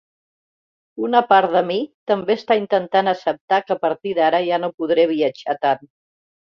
Una part de mi també està intentant acceptar que, a partir d'ara, ja no podré viatjar tant.